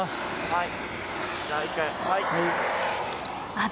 はい。